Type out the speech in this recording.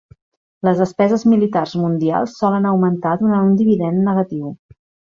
Les despeses militars mundials solen augmentar, donant un dividend negatiu.